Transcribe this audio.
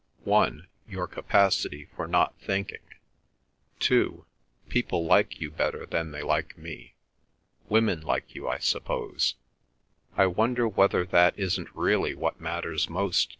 "One: your capacity for not thinking; two: people like you better than they like me. Women like you, I suppose." "I wonder whether that isn't really what matters most?"